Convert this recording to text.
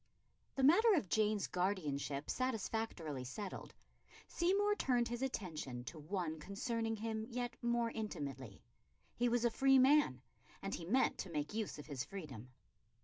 The matter of Jane's guardianship satisfactorily settled, Seymour turned his attention to one concerning him yet more intimately. He was a free man, and he meant to make use of his freedom.